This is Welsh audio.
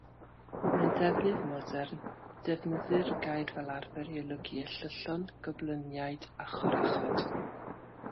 Mewn defnydd modern, defnyddir y gair fel arfer i olygu ellyllon, coblyniaid a chorachod.